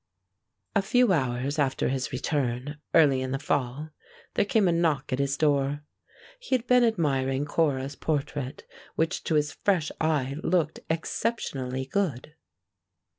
A few hours after his return, early in the fall, there came a knock at his door. He had been admiring Cora's portrait, which to his fresh eye looked exceptionally good.